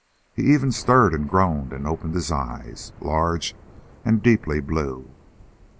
He even stirred and groaned and opened his eyes, large and deeply blue.